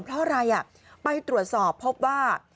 เพราะอะไรไปตรวจสอบพบว่า